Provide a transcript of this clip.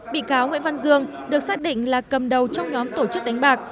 bị cáo nguyễn văn dương được xác định là cầm đầu trong nhóm tổ chức đánh bạc